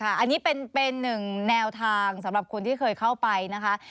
อันนี้เป็นหนึ่งแนวทางสำหรับคนที่เคยเข้าไปนะคะ